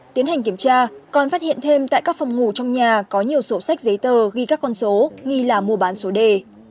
tiến hành kiểm tra còn phát hiện thêm tại các phòng ngủ trong nhà có nhiều sổ sách giấy tờ ghi các con số nghi là mua bán số đề